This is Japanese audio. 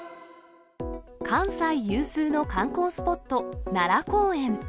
関西有数の観光スポット、奈良公園。